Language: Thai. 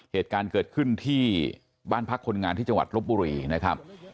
เหตุการณ์เกิดขึ้นที่บ้านพักคนงานที่จังหวัดลบบุรีนะครับ